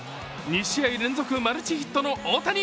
２試合連続マルチヒットの大谷。